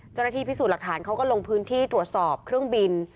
เจ้าหน้าที่พิสูจน์หลักฐานเขาก็ลงพื้นที่ตรวจสอบเครื่องบิน